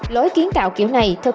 lối kiến tạo kiểu này